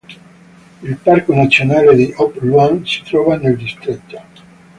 Il parco nazionale di Op Luang si trova nel distretto.